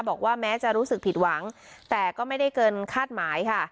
บอกว่าแม้จะรู้สึกผิดหวังแต่ก็ไม่ได้เกินคาดหมายค่ะ